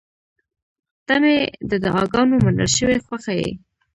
• ته مې د دعاګانو منل شوې خوښه یې.